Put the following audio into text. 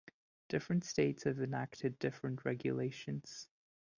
Different states have enacted different regulations.